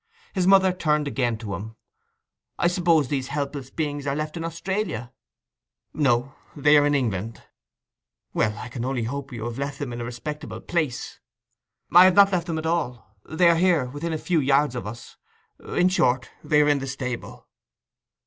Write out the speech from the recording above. His mother turned again to him. 'I suppose these helpless beings are left in Australia?' 'No. They are in England.' 'Well, I can only hope you've left them in a respectable place.' 'I have not left them at all. They are here—within a few yards of us. In short, they are in the stable.